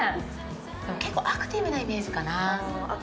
でも、結構アクティブなイメージかな。